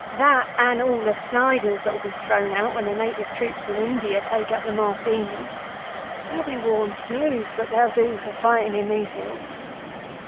That—and all the Sniders that'll be thrown out when the native troops in India take up the Martini. They'll be worn smooth, but they'll do for fighting in these hills.